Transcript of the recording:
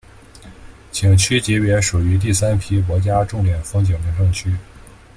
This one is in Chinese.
景区级别属于第三批国家重点风景名胜区。